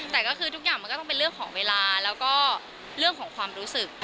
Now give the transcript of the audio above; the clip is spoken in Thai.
แต่ก็คือทุกอย่างมันก็ต้องเป็นเรื่องของเวลาแล้วก็เรื่องของความรู้สึก